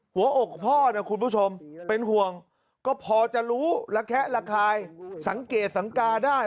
หัวอกพ่อนะคุณผู้ชมเป็นห่วงก็พอจะรู้ระแคะระคายสังเกตสังกาได้